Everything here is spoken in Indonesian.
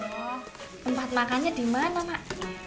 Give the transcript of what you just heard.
oh tempat makannya dimana mak